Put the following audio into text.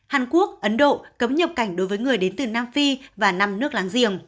hàn quốc ấn độ cấm nhập cảnh đối với người đến từ nam phi và năm nước láng giềng